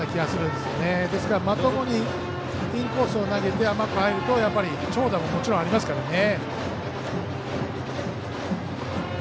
ですからまともにインコースを投げて甘く入ると長打がもちろんありますからね。